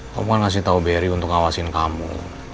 kamu kan ngasih tau berry untuk ngawasin kamu